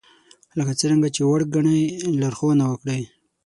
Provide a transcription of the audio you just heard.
لکه څرنګه چې وړ ګنئ لارښوونه وکړئ